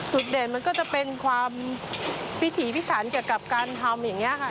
เด่นมันก็จะเป็นความพิถีพิสันเกี่ยวกับการทำอย่างนี้ค่ะ